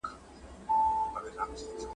کله به نبي کريم د سفر اراده وکړه؟